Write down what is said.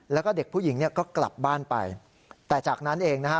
แล้วก็เด็กผู้หญิงเนี่ยก็กลับบ้านไปแต่จากนั้นเองนะฮะ